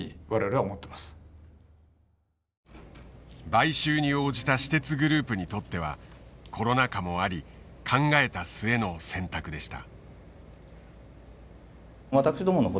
買収に応じた私鉄グループにとってはコロナ禍もあり考えた末の選択でした。